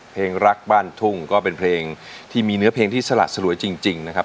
เพลงรักบ้านทุ่งก็เป็นเพลงที่มีเนื้อเพลงที่สละสลวยจริงนะครับ